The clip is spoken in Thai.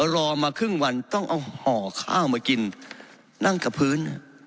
รอมาครึ่งวันต้องเอาห่อข้าวมากินนั่งกับพื้น